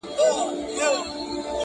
لا یې ځای نه وو معلوم د کوم وطن وو؛